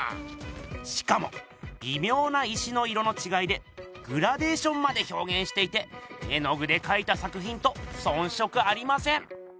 しかもびみょうな石の色のちがいでグラデーションまでひょうげんしていて絵の具でかいた作ひんとそんしょくありません。